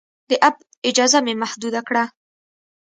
د اپ اجازه مې محدود کړه.